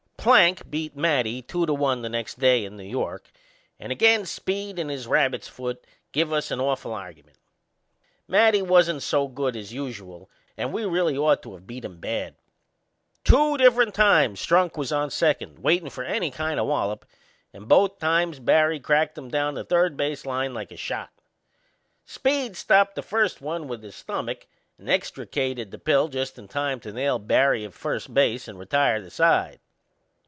Plank beat Matty two to one the next day in New York, and again Speed and his rabbit's foot give us an awful argument. Matty wasn't so good as usual and we really ought to of beat him bad. Two different times Strunk was on second waitin' for any kind o' wallop, and both times Barry cracked 'em down the third base line like a shot. Speed stopped the first one with his stomach and extricated the pill just in time to nail Barry at first base and retire the side.